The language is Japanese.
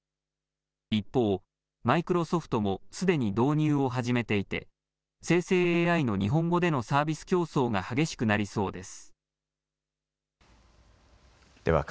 一方、マイクロソフトもすでに導入を始めていて生成ＡＩの日本語でのサービス競争が激しくなりそうです。